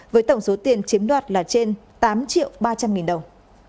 với tổng số tiền chiếm đoạt là trên tám triệu ba trăm linh nghìn đồng